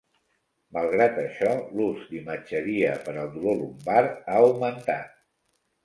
Malgrat això, l'ús d'imatgeria per al dolor lumbar ha augmentat.